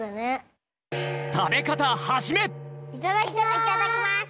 いただきます！